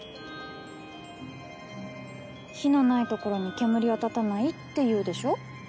火のない所に煙は立たないって言うでしょ？